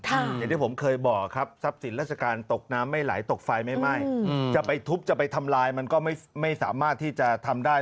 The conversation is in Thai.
อย่างที่ผมเคยบอกครับทรัพย์สินราชการตกน้ำไม่ไหลตกไฟไม่ไหม้จะไปทุบจะไปทำลายมันก็ไม่สามารถที่จะทำได้